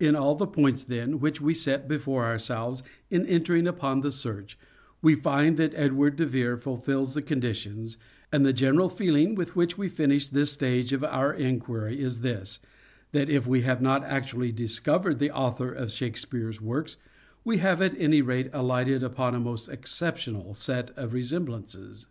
On all the points then which we set before ourselves in entering upon the search, we find that Edward dc THE CONDITIONS FULFILLED 151 Vere fulfils the conditions, and the general feeling with which we finish this stage of our enquiry is this, that if we have not actually discovered the author of Shakespeare's works we have at any rate alighted upon a most exceptional set of resemblances.